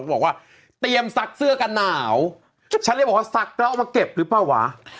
บอกว่าเตรียมซักเสื้อกันหนาวฉันเลยบอกว่าซักแล้วเอามาเก็บหรือเปล่าวะ